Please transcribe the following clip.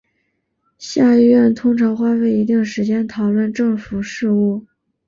下议院通常花费一定时间讨论政府事务。